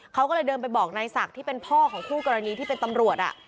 เขาก็เลยเดินไปบอกนายศักดิ์ที่เป็นพ่อของคู่กรณีที่เป็นตำรวจ